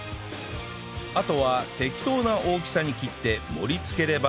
あとは適当な大きさに切って盛り付ければ